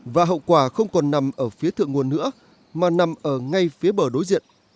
và hậu quả không còn nằm ở phía thượng nguồn nữa mà nằm ở ngay phía bờ đối diện